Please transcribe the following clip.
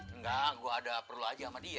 enggak gue ada perlu aja sama dia